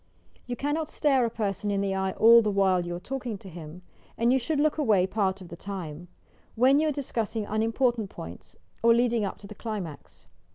You cannot stare a person in the eye all the while you are talking to him, and you should look away part of the time, — when you are discussing unimportant pointa or leading up to the climax.